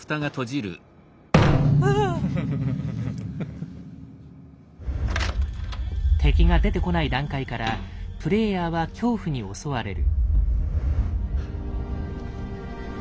あぁっ！敵が出てこない段階からプレイヤーは恐怖に襲われる。